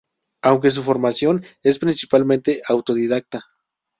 Aunque su formación es principalmente autodidacta.